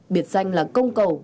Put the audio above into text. biệt danh là công cầu